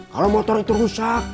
kalau motor itu rusak